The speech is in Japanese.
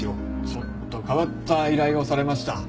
ちょっと変わった依頼をされました。